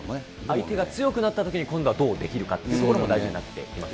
相手が強くなったときに、今度はどうできるかということも大事になってきますね。